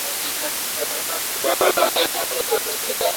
kuwa ni mwisho wa kuyapokea unanisikiliza